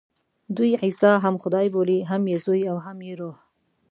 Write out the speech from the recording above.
دوی عیسی هم خدای بولي، هم یې زوی او هم یې روح.